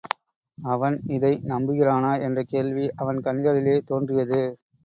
அவன் இதை நம்புகிறானா என்ற கேள்வி அவன் கண்களிலே தோன்றியது.